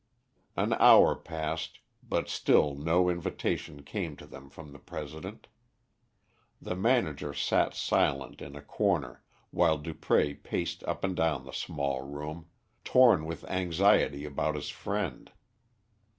An hour passed, but still no invitation came to them from the President. The manager sat silent in a corner, while Dupré paced up and down the small room, torn with anxiety about his friend.